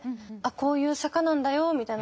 こういう坂なんだよみたいな。